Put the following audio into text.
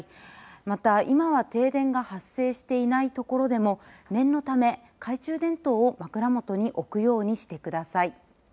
また、今は停電が発生していない所でも念のため、懐中電灯を枕元に置くようにしてください。